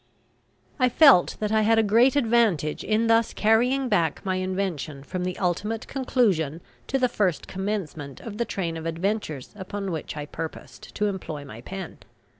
I felt that I had a great advantage in thus carrying back my invention from the ultimate conclusion to the first commencement of the train of adventures upon which I purposed to employ my pen.